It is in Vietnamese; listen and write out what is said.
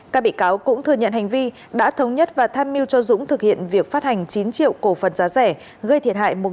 các bị cáo cũng thừa nhận hành vi đã thống nhất và tham mưu cho dũng thực hiện việc phát hành